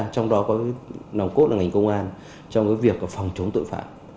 trong đó có nồng cốt là ngành công an trong việc phòng chống tội phạm